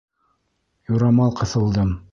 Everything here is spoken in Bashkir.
Юрамал ҡыҫылдым.